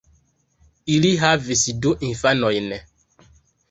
Ili havis du infanojn.